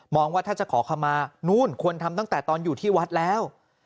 ว่าถ้าจะขอคำมานู่นควรทำตั้งแต่ตอนอยู่ที่วัดแล้ว